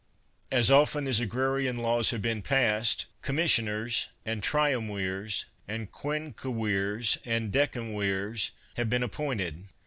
As often as agrarian laws have been passed, commissioners, and triumvirs, and quinquevirs, and decemvirs have been appointed.